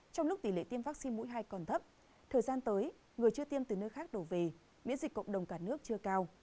trong lúc tỷ lệ tiêm vaccine mũi hai còn thấp thời gian tới người chưa tiêm từ nơi khác đổ về miễn dịch cộng đồng cả nước chưa cao